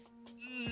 うん。